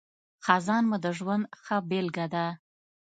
خزان مې د ژوند ښه بیلګه ده.